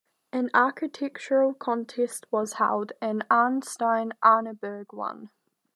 An architectural contest was held, and Arnstein Arneberg won.